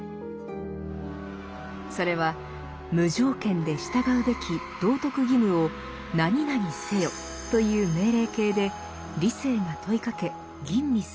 それは無条件で従うべき道徳義務を「何々せよ」という命令形で理性が問いかけ吟味するもの。